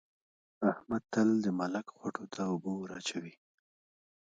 احمد تل د ملک خوټو ته اوبه وراچوي.